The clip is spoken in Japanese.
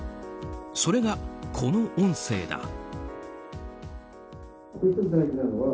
それが、この音声だ。